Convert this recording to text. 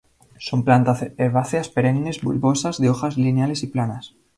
Son plantas herbáceas, perennes y bulbosas, de hojas lineares y planas.